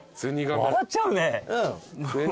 笑っちゃうね。